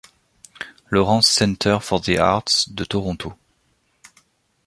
Lawrence Centre for the Arts de Toronto.